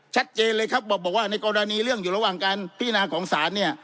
ชัดเจนเลยครับบอกว่าในกรณีเรื่องอยู่ระหว่างการพินาของศาลเนี่ย